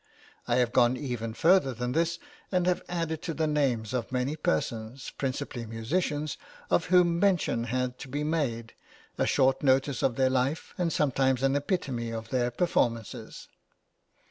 I have gone even further than this, and have added to the names of many persons, principally musicians, of whom mention had to be made, a short notice of their life and sometimes an epitome of their performances.